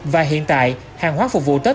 và hiện tại hàng hóa phục vụ tết